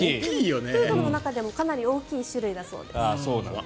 プードルの中でもかなり大きい種類だそうです。